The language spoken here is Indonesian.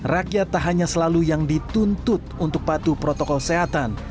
rakyat tak hanya selalu yang dituntut untuk patuh protokol kesehatan